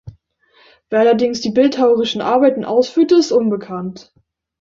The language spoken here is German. Wer allerdings die bildhauerischen Arbeiten ausführte ist unbekannt.